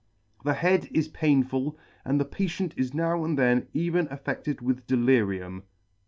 The head is painful, and the patient is now and then even affe&ed with deli rium*.